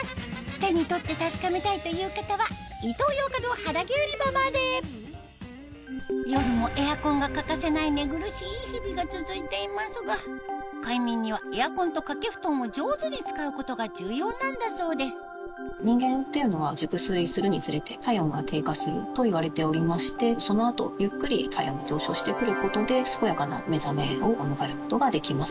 手に取って確かめたいという方は夜もエアコンが欠かせない寝苦しい日々が続いていますが快眠にはエアコンと掛け布団を上手に使うことが重要なんだそうですといわれておりましてその後ゆっくり体温が上昇してくることで健やかな目覚めを迎えることができます。